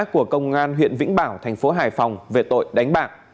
của công an huyện vĩnh bảo tp hải phòng về tội đánh bạc